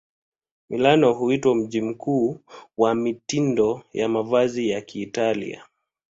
Milano huitwa mji mkuu wa mitindo ya mavazi ya Italia.